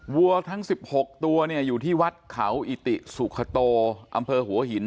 วัวทั้ง๑๖ตัวเนี่ยอยู่ที่วัดเขาอิติสุขโตอำเภอหัวหิน